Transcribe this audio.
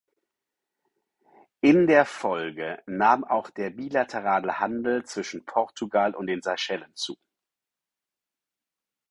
In der Folge nahm auch der bilaterale Handel zwischen Portugal und den Seychellen zu.